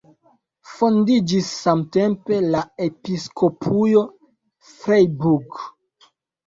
Fondiĝis samtempe la Episkopujo Freiburg.